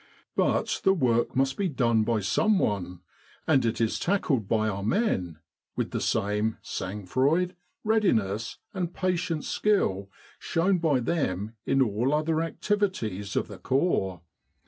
But the work must be done by someone, and it is tackled by our men with the same sangfroid, readiness, and patient skill shown by them in all other activities of the Corps.